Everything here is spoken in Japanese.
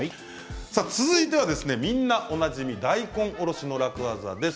続いてはみんなおなじみ大根おろしの楽ワザです。